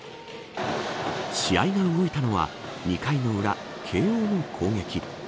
試合が動いたのは２回の裏慶応の攻撃。